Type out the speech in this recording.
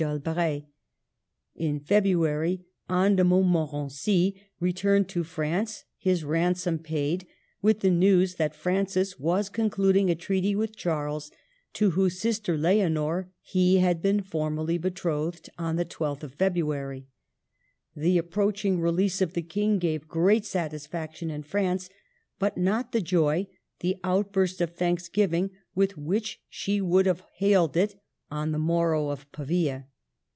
d'Albret. In February Anne de Montmorency returned to France, his ransom paid, with the news that Francis was concluding a treaty with Charles, to whose sister Leonor he had been formally betrothed on the 12th of February. The ap proaching release of the King gave great satis faction in France, but not the joy, the outburst of thanksgiving with which she would have hailed it on the morrow of Pavia.